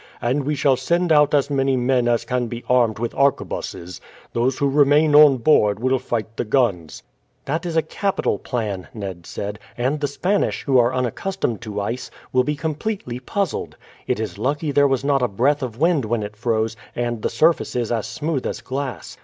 And we shall send out as many men as can be armed with arquebuses; those who remain on board will fight the guns." "That is a capital plan," Ned said; "and the Spanish, who are unaccustomed to ice, will be completely puzzled. It is lucky there was not a breath of wind when it froze, and the surface is as smooth as glass.